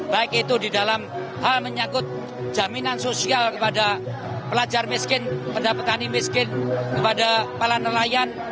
baik itu di dalam hal menyangkut jaminan sosial kepada pelajar miskin kepada petani miskin kepada para nelayan